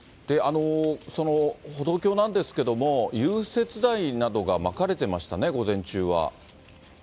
歩道橋なんですけど、融雪剤などがまかれてましたね、午前中は。